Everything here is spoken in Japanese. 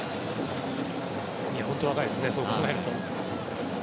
本当、若いですねそう考えると。